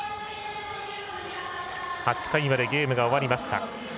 ８回までゲームが終わりました。